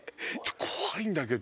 怖いんだけど。